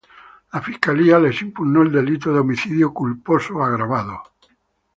La Fiscalía les impugnó el delito de homicidio culposo agravado.